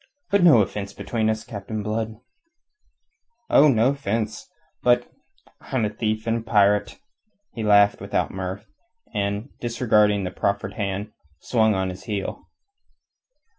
"But no offence between us, Captain Blood!" "Oh, no offence. But... I'm a thief and a pirate." He laughed without mirth, and, disregarding the proffered hand, swung on his heel.